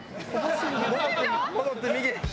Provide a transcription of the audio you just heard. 戻って右！